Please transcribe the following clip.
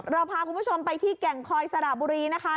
เราพาคุณผู้ชมไปที่แก่งคอยสระบุรีนะคะ